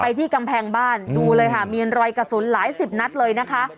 ที่กำแพงบ้านดูเลยค่ะมีรอยกระสุนหลายสิบนัดเลยนะคะ